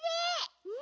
うん。